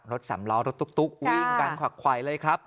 สามล้อรถตุ๊กวิ่งการขวักไขวเลยครับ